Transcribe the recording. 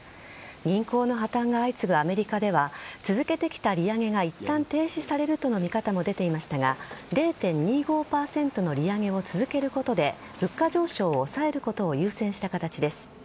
銀行の破綻が相次ぐアメリカでは続けてきた利上げがいったん停止されるとの見方も出ていましたが０．２５％の利上げを続けることで物価上昇を抑えることを優先した形です。